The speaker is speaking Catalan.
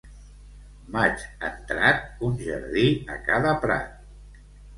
Maig entrat, un jardí a cada prat.